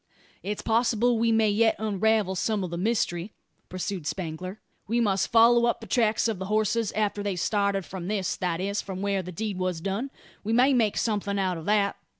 "It's possible we may yet unravel some o' the mystery," pursued Spangler. "We must follow up the tracks of the horses, after they started from this that is, from where the deed was done. We may make something out of that.